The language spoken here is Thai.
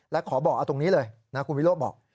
และขอบอกเอาตรงนี้เลยนะคุณวิโรธบอก